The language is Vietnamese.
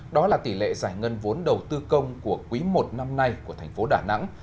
đó là tỷ lệ giải ngân vốn đầu tư công của quý i năm nay của thành phố đà nẵng